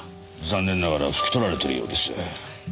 残念ながら拭き取られているようです。